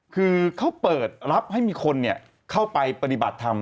คือเขาเปิดรับให้มีคนเข้าไปปฏิบัติธรรม